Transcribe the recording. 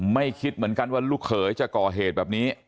ไม่คิดเหมือนกันว่าลูกเขยจะก่อเหตุแบบนี้